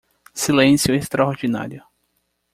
Silêncio extraordinário